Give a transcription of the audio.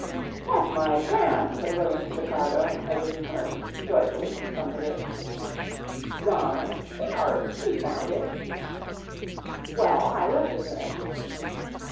"That's my pram!" said William to the cargo, as it emerged, joyfully, from the ditch. "Garn! S'ours! We found it." "Well, I left it there."